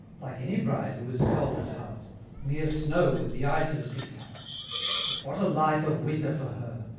Like any bride who is cold at heart. Mere snow with the ice's glitter; What but a life of winter for her!